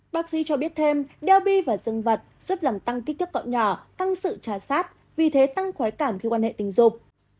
bác sĩ cho biết thêm đeo bi và dân vật giúp làm tăng kích thước cậu nhỏ tăng sự trả sát vì thế tăng khói cảm khi quan hệ tình dục